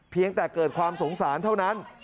เพียงแต่เกิดความสงสารเท่านั้น